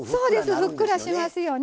ふっくらしますよね。